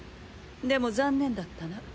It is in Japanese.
でも残念だったな。